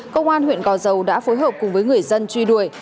công an huyện gò dầu đã phối hợp cùng với người dân truy đuổi